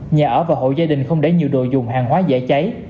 nhà ở và hộ gia đình không để nhiều đồ dùng hàng hóa dễ cháy